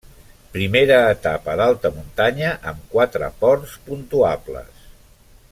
Primera etapa d'alta muntanya, amb quatre ports puntuables.